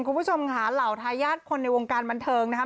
คุณผู้ชมค่ะเหล่าทายาทคนในวงการบันเทิงนะครับ